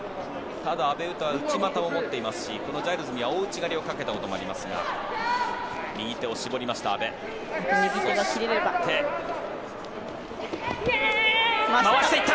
ただ、阿部詩は内股を持っていますしこのジャイルズには大内刈りをかけたこともありますが右手を絞りました。